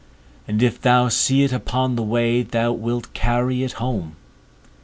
And if thou see it upon the way, thou wilt carry it home.